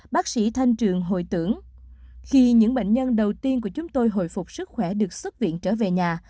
bác sĩ thanh trường hội tưởng khi những bệnh nhân đầu tiên của chúng tôi hồi phục sức khỏe được xuất viện trở về nhà